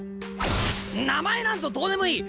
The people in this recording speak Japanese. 名前なんぞどうでもいい！